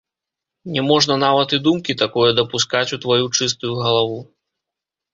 Не можна нават і думкі такое дапускаць у тваю чыстую галаву.